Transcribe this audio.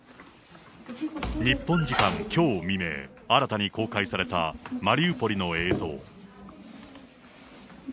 日本時間きょう未明、新たに公開されたマリウポリの映像。